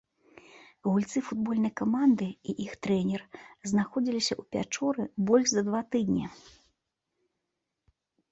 Гульцы футбольнай каманды і іх трэнер знаходзіліся ў пячоры больш за два тыдні.